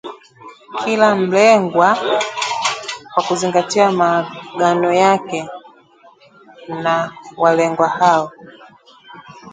kila mlengwa kwa kuzingatia maagano yake na walengwa hao